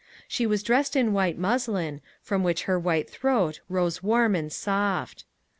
She was dressed in white muslin, from which her white throat rose warm and soft.